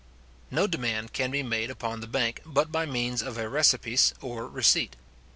No demand can be made upon the bank, but by means of a recipice or receipt.